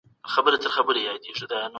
خو که رامنځته شي، ډېر خطرناک وي.